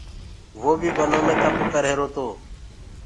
وو بيٚ بنو مي تَپَ ڪريهرو تو